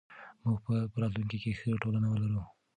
موږ به په راتلونکي کې ښه ټولنه ولرو.